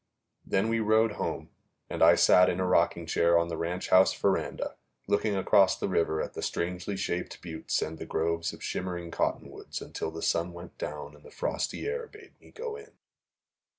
Then we rode home, and I sat in a rocking chair on the ranch house veranda, looking across the river at the strangely shaped buttes and the groves of shimmering cottonwoods until the sun went down and the frosty air bade me go in.